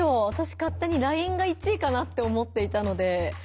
わたし勝手にＬＩＮＥが１位かなって思っていたので。